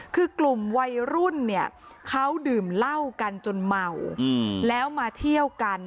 คือกลุ่มวัยรุ่นเนี่ยเขาดื่มเหล้ากันจนเมาแล้วมาเที่ยวกัน